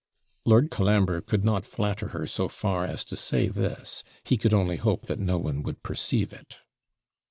Lord Colambre could not flatter her so far as to say this he could only hope no one would perceive it.